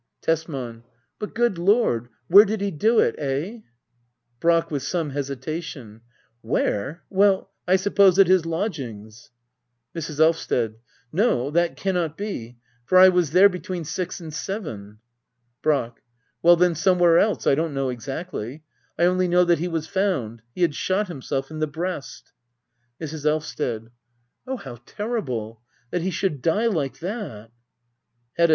Tesman. But^ good Lord^ where did he do it ? Eh ? Brack. [With some hesitation,] Where? Well— I suppose at his lodgings. Mrs. Elvsted. No, that cannot be ; for I was there between six and seven. Brack. Well then, somewhere else. I don't know exactly. I only know that he was found . He had shot himself— in the breast. Mrs. Elvsted. Oh, how terrible ! That he should die like that! Hedda.